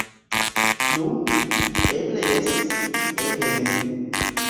Nu, eble jes, eble ne.